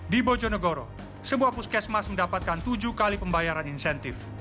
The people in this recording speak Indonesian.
di bojonegoro sebuah puskesmas mendapatkan tujuh kali pembayaran insentif